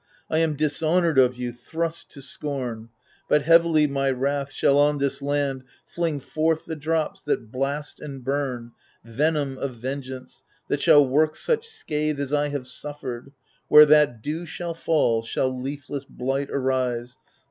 I am dishonoured of you, thrust to scorn ! But heavily my wrath Shall on this land fling forth the drops that blast and bum, Venom of vengeance, that shall work such scathe As I have suffered ; where that dew shall fall, Shall leafless blight arise.